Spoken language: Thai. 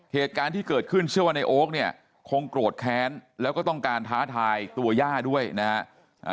เหตุการณ์ที่เกิดขึ้นเชื่อว่าในโอ๊คเนี่ยคงโกรธแค้นแล้วก็ต้องการท้าทายตัวย่าด้วยนะฮะ